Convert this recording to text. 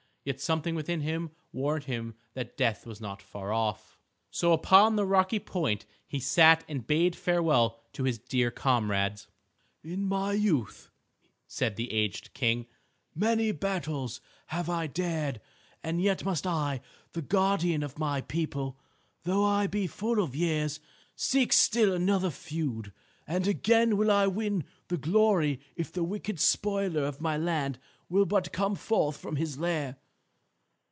Yet something within him warned him that death was not far off. So upon the rocky point he sat and bade farewell to his dear comrades. "In my youth," said the aged King, "many battles have I dared, and yet must I, the guardian of my people, though I be full of years, seek still another feud. And again will I win glory if the wicked spoiler of my land will but come forth from his lair."